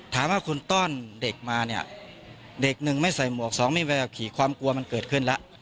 ถามว่าคุณต้อนเด็กมาเนี่ยเด็กหนึ่งไม่ใส่หมวกสองไม่ไปขับขี่ความกลัวมันเกิดขึ้นแล้ว